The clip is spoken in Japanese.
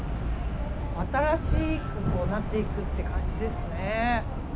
新しくなっていくって感じですね。